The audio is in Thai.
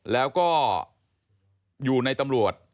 แล้วก็อยู่ในตำรวจ